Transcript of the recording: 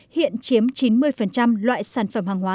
hiện chiếm chín mươi loại sản phẩm hàng hóa